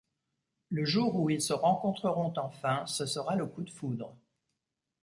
Le jour où ils se rencontreront enfin, ce sera le coup de foudre…